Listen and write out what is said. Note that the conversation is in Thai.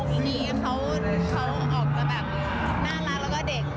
กันก็เลยคิดสนกว่าจะแต่งแนวไหนดี